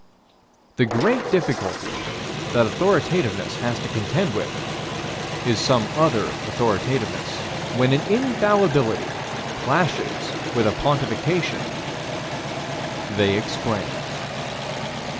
The great difficulty that authoritativeness has to contend with is some other authoritativeness. When an infallibility clashes with a pontification They explain.